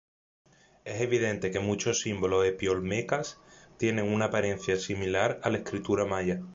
Es evidente que muchos símbolos epi-olmecas tienen una apariencia similar a la escritura maya.